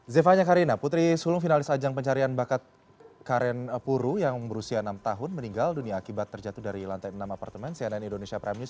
zevanya karina putri sulung finalis ajang pencarian bakat karen puru yang berusia enam tahun meninggal dunia akibat terjatuh dari lantai enam apartemen cnn indonesia prime news